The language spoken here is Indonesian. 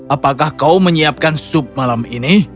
apakah kau menyiapkan sup malam ini